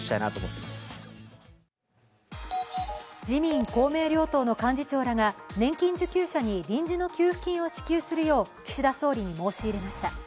自民・公明両党の幹事長らが年金受給者に臨時の給付金を支給するよう岸田総理に申し入れました。